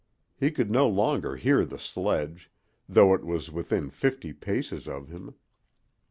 He could no longer hear the sledge, though it was within fifty paces of him.